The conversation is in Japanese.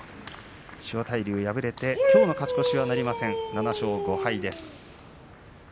千代大龍、敗れてきょうの勝ち越しはなりません７勝５敗です。